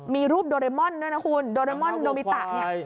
มีรูปโดเรมอนด้วยนะคุณโดเรมอนโดมิตะเนี่ย